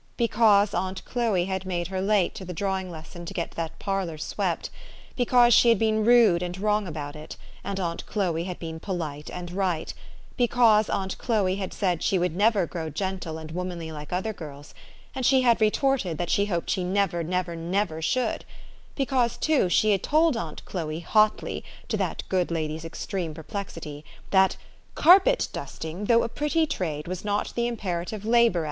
Because aunt Chloe had made her late to the drawing lesson to get that parlor swept ; be cause she had been rude and wrong about it, and aunt Chloe had been polite and right ; because aunt Chloe had said she would never grow gentle and womanly like other girls, and she had retorted that she hoped she never, never, never should ; because, too, she had told aunt Chloe hotly, to that good lady's extreme perplexity, that " carpet dusting, though a pretty trade, was not the imperative labor THE STORY OF AVIS.